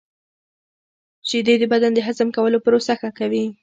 • شیدې د بدن د هضم کولو پروسه ښه کوي.